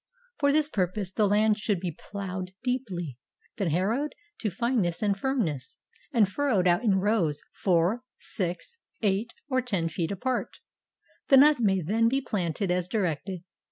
For this purpose the land should be plowed deeply, then harrowed to fineness and firmness, and furrowed out in rows four, six, eight, or ten feet apart. The nuts may then be planted as directed.